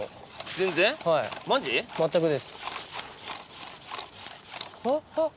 全くです。